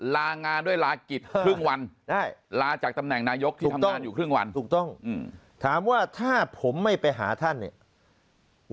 ลางานด้วยลากิจครึ่งวันลาจากตำแหน่งนายกที่ถูกต้องอยู่ครึ่งวันถูกต้องถามว่าถ้าผมไม่ไปหาท่านเนี่ย